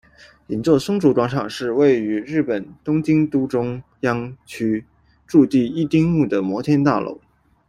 银座松竹广场是位于日本东京都中央区筑地一丁目的摩天大楼。